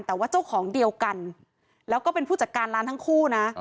แต่ว่าเจ้าของเดียวกันแล้วก็เป็นผู้จัดการร้านทั้งคู่นะ